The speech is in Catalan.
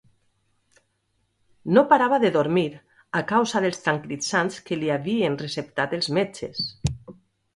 No parava de dormir, a causa dels tranquil·litzants que li havien receptat els metges.